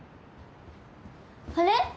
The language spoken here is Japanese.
あれ？